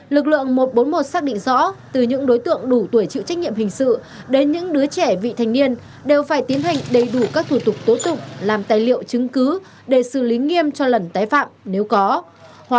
lực lượng một trăm bốn mươi một xác định rõ từ những đối tượng đủ tuổi chịu trách nhiệm hình sự đến những đứa trẻ vị thành niên đều phải tiến hành đầy đủ các thủ tục tố tụng làm tài liệu chứng cứ để xử lý nghiêm cho lần tái phạm nếu có